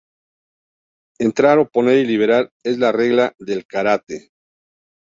Entrar, oponer, y liberar; es la regla del karate.